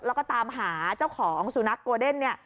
แล้วก็ตามหาเจ้าของสุนัขโกเดนเนี่ย